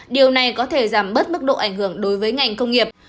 điều này có thể giảm bớt mức độ ảnh hưởng đối với ngành công nghiệp